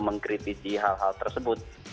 mengkritisi hal hal tersebut